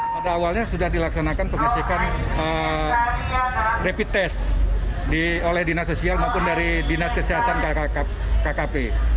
pada awalnya sudah dilaksanakan pengecekan rapid test oleh dinas sosial maupun dari dinas kesehatan kkp